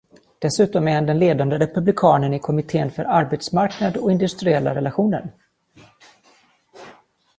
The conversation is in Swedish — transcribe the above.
Dessutom är han den ledande republikanen i kommittén för arbetsmarknad och industriella relationer.